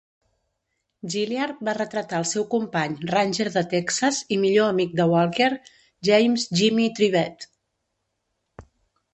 Gilyard va retratar el seu company Ranger de Texas i millor amic de Walker, James "Jimmy" Trivette.